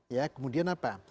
ya kemudian apa